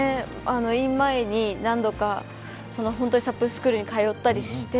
イン前にサップスクールに通ったりして。